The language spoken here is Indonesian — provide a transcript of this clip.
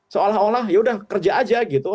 seolah olah yaudah kerja aja gitu